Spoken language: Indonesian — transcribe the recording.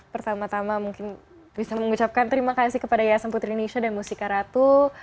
pertama tama mungkin bisa mengucapkan terima kasih kepada yayasan putri indonesia dan mustika ratu